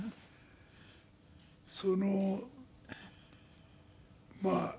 そのまあ